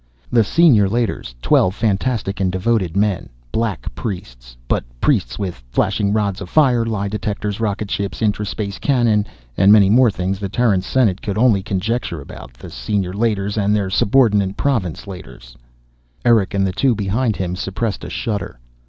The Senior Leiters, twelve fanatic and devoted men, black priests, but priests with flashing rods of fire, lie detectors, rocket ships, intra space cannon, many more things the Terran Senate could only conjecture about. The Senior Leiters and their subordinate Province Leiters Erick and the two behind him suppressed a shudder.